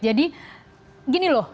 jadi gini loh